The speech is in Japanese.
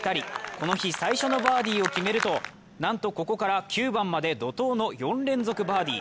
この日、最初のバーディーを決めると、なんとここから９番まで怒とうの４連続バーディー。